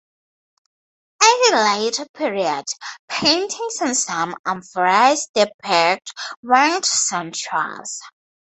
At a later period, paintings on some amphoras depict winged centaurs.